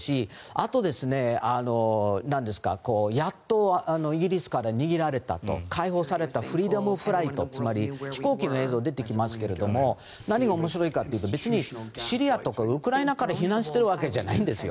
あと、やっとイギリスから逃げられたと解放されたフリーダム・フライトつまり飛行機の映像が出てきますが何が面白いかというと別にシリアからウクライナから避難しているわけじゃないんですよ。